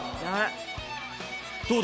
どうだ？